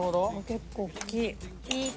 結構大きい。